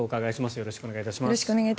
よろしくお願いします。